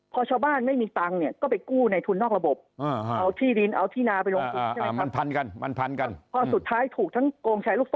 ผมมองว่างี้ต้องมองปัญหาชายลูกโซนเป็นไพร้